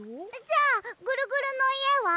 じゃあぐるぐるのいえは？